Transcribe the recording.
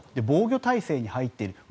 防御態勢に入っている。